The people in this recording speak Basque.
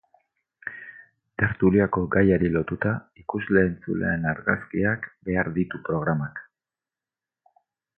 Tertuliako gaiari lotuta, ikusle-entzuleen argazkiak behar ditu programak.